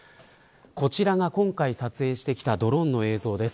こちらが今回撮影してきたドローンの映像です。